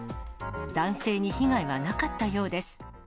男性に被害はなかったようです。